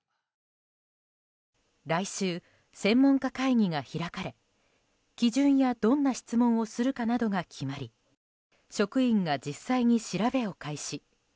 来週、専門家会議が開かれ基準やどんな質問をするかなどが決まり職員が実際に調べを開始。